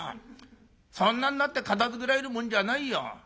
そんなんなって片づけられるもんじゃないよ。